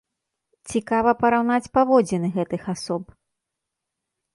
Цікава параўнаць паводзіны гэтых асоб.